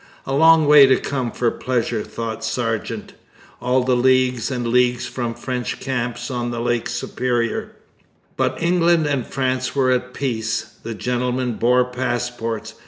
A long way to come for pleasure, thought Sargeant all the leagues and leagues from French camps on Lake Superior. But England and France were at peace. The gentlemen bore passports.